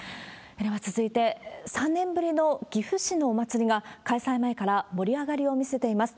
では続いて、３年ぶりの岐阜市のお祭りが、開催前から盛り上がりを見せています。